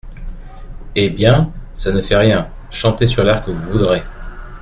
Eh ! bien, ça ne fait rien, chantez sur l’air que vous voudrez.